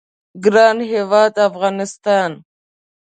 ګران هیواد افغانستان